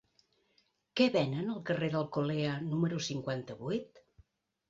Què venen al carrer d'Alcolea número cinquanta-vuit?